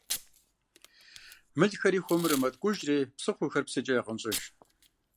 Мылхэри хуэмурэ мэткӀужри псыхъуэхэр псыкӀэ ягъэнщӀыж.